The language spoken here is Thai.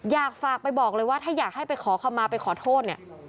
อยากฝากไปบอกเลยว่าถ้าอยากให้ไปขอคำมาไปขอโทษเนี่ย